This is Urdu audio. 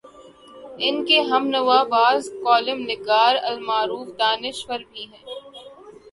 ان کے ہم نوا بعض کالم نگار المعروف دانش ور بھی ہیں۔